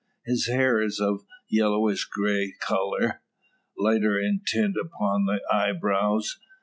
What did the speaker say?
His hair is of a yellowish clay colour, lighter in tint upon the eyebrows.